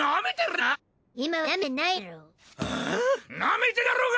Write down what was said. なめてんだろうが！